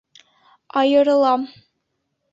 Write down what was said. Айырылам!